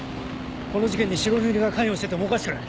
この事件に白塗りが関与しててもおかしくない。